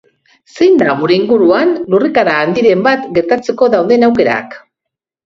Zein da gure inguruan lurrikara handiren bat gertatzeko dauden aukerak?